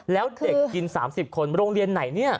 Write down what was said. แล้วเด็กกิน๓๐คนโรงเรียนไหนเนี่ย